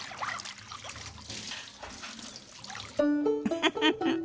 フフフフ。